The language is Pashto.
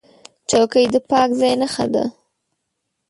چوکۍ د پاک ځای نښه ده.